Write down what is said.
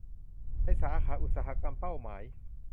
ในสาขาอุตสาหกรรมเป้าหมาย